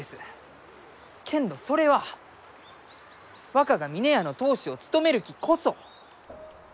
けんどそれは若が峰屋の当主を務めるきこそ！